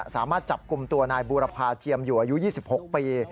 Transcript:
สามารถจับกลุ่มตัวนายบูรพาเจียมอยู่อายุ๒๖ปี